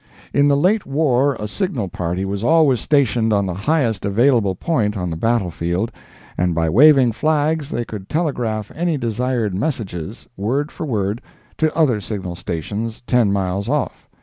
In the late war a signal party was always stationed on the highest available point on the battle field, and by waving flags they could telegraph any desired messages, word for word, to other signal stations ten miles off.